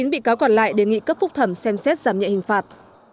chín bị cáo còn lại đề nghị cấp phúc thẩm xem xét giảm nhẹ hình phạt